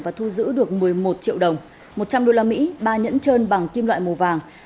và thu giữ được một mươi một triệu đồng một trăm linh đô la mỹ ba nhẫn trơn bằng kim loại màu vàng